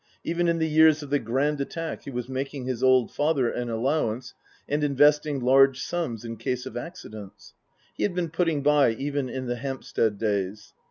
Even in the years of the Grand Attack he was making his old father an allowance and investing large sums in case of accidents. (He had been putting by even in the Hampstead days.)